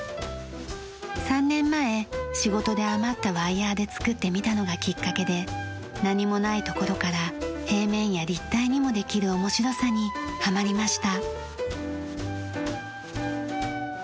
３年前仕事で余ったワイヤーで作ってみたのがきっかけで何もないところから平面や立体にもできる面白さにはまりました。